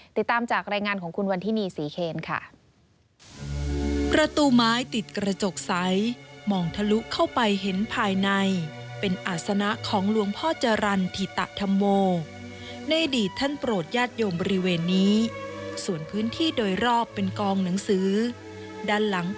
ติดตามจากรายงานของคุณวันทินีศรีเคนค่ะ